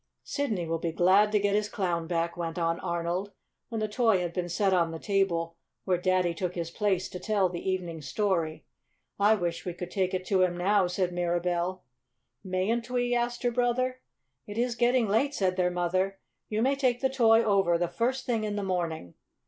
"Sidney will be glad to get his Clown back," went on Arnold, when the toy had been set on the table where Daddy took his place to tell the evening story. "I wish we could take it to him now," said Mirabell. "Mayn't we?" asked her brother. "It is getting late," said their mother. "You may take the toy over the first thing in the morning."